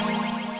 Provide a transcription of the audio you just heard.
ya men tagar ya